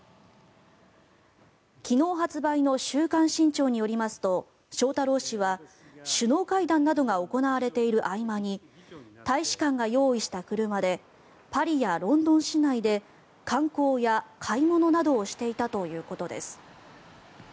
昨日発売の「週刊新潮」によりますと翔太郎氏は首脳会談などが行われている合間に大使館が用意した車でパリやロンドン市内で観光や買い物などをしていたということです。